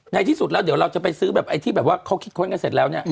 ในที่สุดเดี๋ยวเราจะไปซื้อที่เค้าคิดค้นกันเสร็จแล้ว